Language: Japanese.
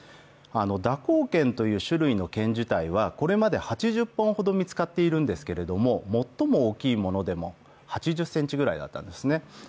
蛇行剣という種類の剣自体はこれまで８０本ほど見つかっているんですけれども、最も大きいものでも８０ｃｍぐらいだったんですね。